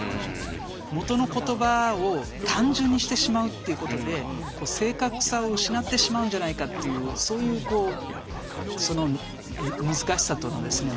元の言葉を単純にしてしまうということで正確さを失ってしまうんじゃないかっていうそういうこうその難しさとのですね